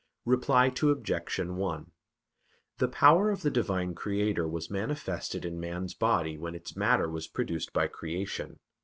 Reply Obj. 1: The power of the Divine Creator was manifested in man's body when its matter was produced by creation.